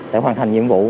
để hoàn thành nhiệm vụ